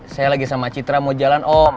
saya lagi sama citra mau jalan oh